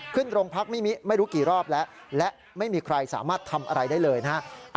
ขึ้นโรงพักไม่รู้กี่รอบแล้วและไม่มีใครสามารถทำอะไรได้เลยนะฮะ